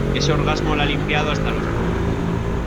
ese orgasmo le ha limpiado hasta los poros.